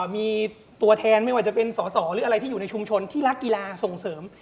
มีตัวแทนไม่ว่าจะเป็นสอสอหรืออะไรที่อยู่ในชุมชนที่รักกีฬาส่งเสริม